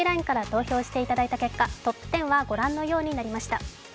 ＬＩＮＥから投票していただいた結果、トップ１０は御覧のようになりました。